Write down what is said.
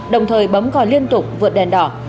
đồng thời bấm gọi liên tục vượt đèn đỏ